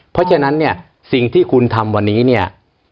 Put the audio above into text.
เพราะฉะนั้นเนี่ยสิ่งที่คุณทำวันนี้เนี่ย